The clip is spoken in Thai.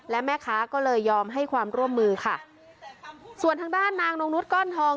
และแม่ค้าก็เลยยอมให้ความร่วมมือค่ะส่วนทางด้านนางนงนุษยก้อนทอง